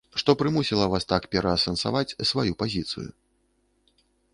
Што прымусіла вас так пераасэнсаваць сваю пазіцыю?